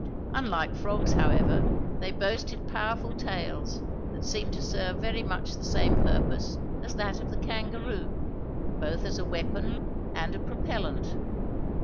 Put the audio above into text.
Unlike frogs, however, they boasted powerful tails that seemed to serve very much the same purpose as that of the kangaroo, both as a weapon and a propellant.